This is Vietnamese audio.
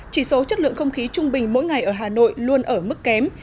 chỉ số chất lượng không khí trung bình mỗi ngày ở hà nội luôn ở mức kém